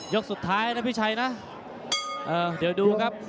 กสุดท้ายนะพี่ชัยนะเดี๋ยวดูครับ